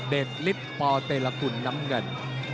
ลิฟต์ปเตรกุลน้ำเงิน